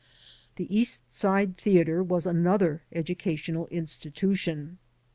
The East Side theater was another educational institution.